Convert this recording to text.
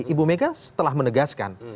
ibu mega setelah menegaskan